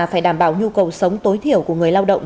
phải đảm bảo nhu cầu sống tối thiểu của người lao động